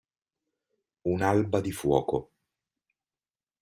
Un'alba di fuoco.